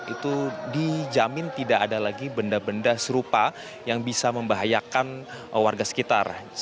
itu dijamin tidak ada lagi benda benda serupa yang bisa membahayakan warga sekitar